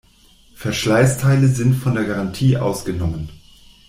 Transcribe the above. Verschleißteile sind von der Garantie ausgenommen.